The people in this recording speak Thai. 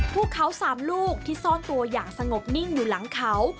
พวกเขา๓ลูกที่ซ่อนตัวอย่างสงบนิ่งอยู่หลังเขา